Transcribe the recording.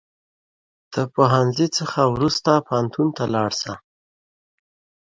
د ښوونځي څخه وروسته پوهنتون ته ولاړ سه